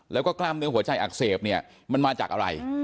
แล้วก็กล้ามเนื้อหัวใจอักเสบเนี่ยมันมาจากอะไร